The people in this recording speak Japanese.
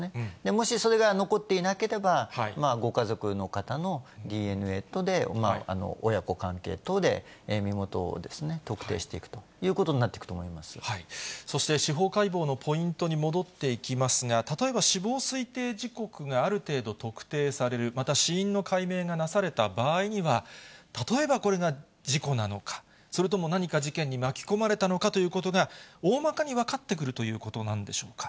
もしそれが残っていなければ、ご家族の方のＤＮＡとで親子関係等で身元を特定していくというこそして、司法解剖のポイントに戻っていきますが、例えば死亡推定時刻がある程度特定される、また死因の解明がなされた場合には、例えばこれが事故なのか、それとも何か事件に巻き込まれたのかということが、大まかに分かってくるということなんでしょうか。